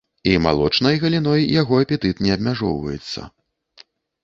І малочнай галіной яго апетыт не абмяжоўваецца.